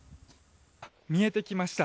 見えてきました。